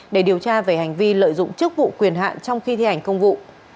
để điều tra về hành vi lợi dụng chức vụ quyền hạn trong khi thi hành công vụ